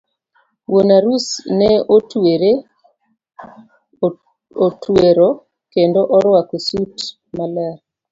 Wuon arus ne otwero kendo orwako sut maler.